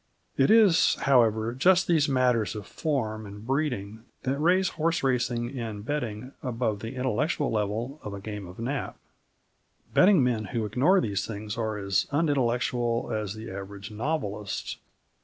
It is, however, just these matters of form and breeding that raise horse racing and betting above the intellectual level of a game of nap. Betting men who ignore these things are as unintellectual as the average novelist.